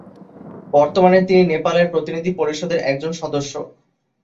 বর্তমানে তিনি নেপালের প্রতিনিধি পরিষদের একজন সদস্য।